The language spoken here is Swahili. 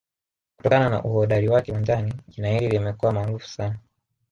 kutokana na uhodari wake uwanjani jina hili limekuwa maarufu sana